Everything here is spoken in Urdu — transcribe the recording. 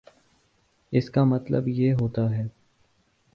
اس کا مطلب یہ ہوتا ہے